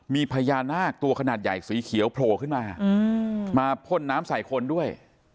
มีพญานาคตัวขนาดใหญ่สีเขียวโผล่ขึ้นมามาพ่นน้ำใส่คนด้วย